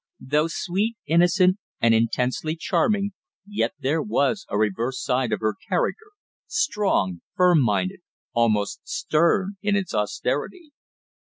Though sweet, innocent, and intensely charming, yet there was a reverse side of her character, strong, firm minded, almost stern in its austerity.